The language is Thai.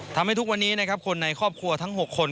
ทำให้ทุกวันนี้คนในครอบครัวทั้ง๖คน